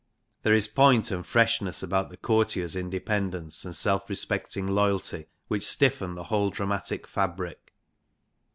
There is point and freshness about the courtier's independence and self respecting loyalty, which stiffen the whole dramatic fabric.